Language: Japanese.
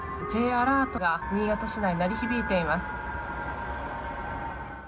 Ｊアラートが新潟市内に鳴り響いています。